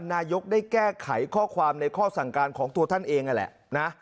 นายกได้แก้ไขข้อความในข้อสั่งการของตัวท่านเองนั่นแหละนะ